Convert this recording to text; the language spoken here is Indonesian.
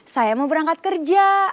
saya mau berangkat kerja